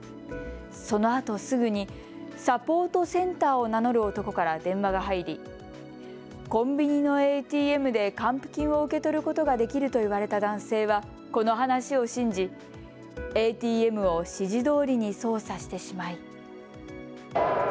そのあとすぐにサポートセンターを名乗る男から電話が入り、コンビニのＡＴＭで還付金を受け取ることができると言われた男性はこの話を信じＡＴＭを指示どおりに操作してしまい。